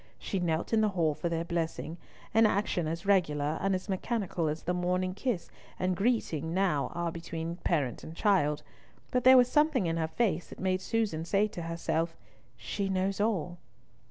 She knelt in the hall for their blessing—an action as regular and as mechanical as the morning kiss and greeting now are between parent and child; but there was something in her face that made Susan say to herself, "She knows all."